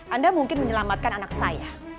anda mungkin menyelamatkan anak saya